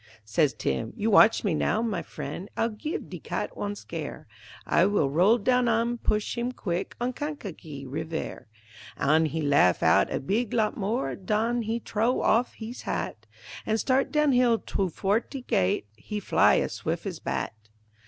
Says Tim, "You watch me now, ma frien', I'll geeve dat calf wan scare, I will rone down an' push him quick On Kankakee Reevere." An' he laugh out a beeg lot mor', Den he t'row off hees hat, An' start down hill two forty gait, He fly as swif' as bat.